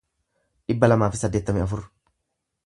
dhibba lamaa fi saddeettamii afur